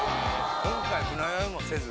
今回船酔いもせず。